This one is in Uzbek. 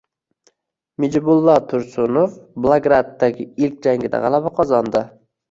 Mujibillo Tursunov Belgraddagi ilk jangida g‘alaba qozondi